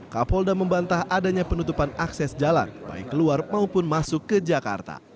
kapolda membantah adanya penutupan akses jalan baik keluar maupun masuk ke jakarta